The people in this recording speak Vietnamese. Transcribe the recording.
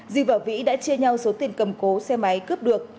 di và vĩ đã chia nhau số tiền cầm cố xe máy cướp được